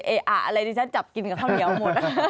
อะไรที่ฉันจับกินกับข้าวเหนียวหมด